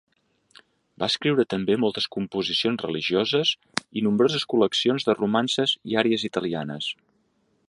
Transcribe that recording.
Va escriure també moltes composicions religioses i nombroses col·leccions de romances i àries italianes.